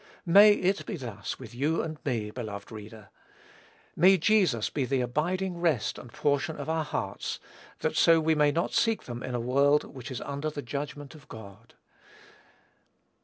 May it be thus with you and me, beloved reader! May Jesus be the abiding rest and portion of our hearts, that so we may not seek them in a world which is under the judgment of God!